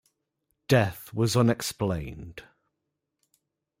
Death was unexplained.